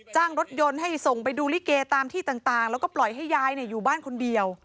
จ้างรถยนต์ให้ส่งไปดูลิเกตามที่ต่างแล้วก็ปล่อยให้ยายอยู่บ้านคนเดียว